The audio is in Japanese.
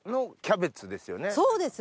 そうです。